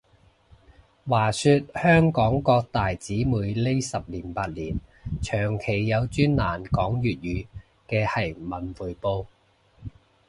話說香港各大紙媒呢十年八年，長期有專欄講粵語嘅係文匯報